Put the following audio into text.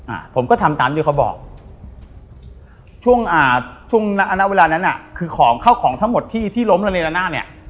อ่าผมก็ทำตามที่เขาบอกช่วงอ่าช่วงหน้าณเวลานั้นอ่ะคือของเข้าของทั้งหมดที่ที่ล้มระเนละนาดเนี้ย